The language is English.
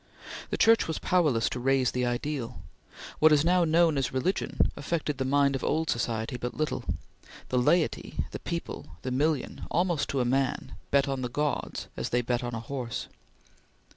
The Church was powerless to raise the ideal. What is now known as religion affected the mind of old society but little. The laity, the people, the million, almost to a man, bet on the gods as they bet on a horse.